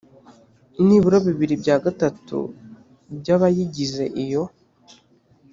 nibura bibiri bya gatatu by abayigize iyo